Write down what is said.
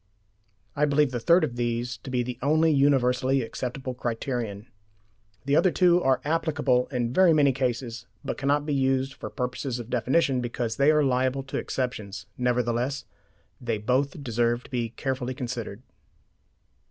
I believe the third of these to be the only universally applicable criterion. The other two are applicable in very many cases, but cannot be used for purposes of definition because they are liable to exceptions. Nevertheless, they both deserve to be carefully considered.